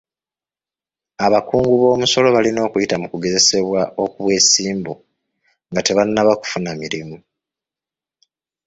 Abakungu b'omusolo balina okuyita mu kugezesebwa obwesimbu nga tebannafuna mirimu.